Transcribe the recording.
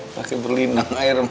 pakai berlinang air mata